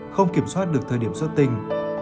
không kiểm soát được thời điểm xuất tình